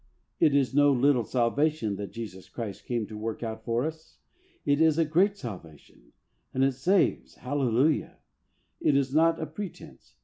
It is no little salvation that Jesus Christ came to work out for us. It is a "great salvation," and it saves, hallelujah! It is not a pretence.